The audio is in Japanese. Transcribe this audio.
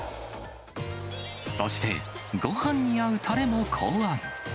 そして、ごはんに合うたれも考案。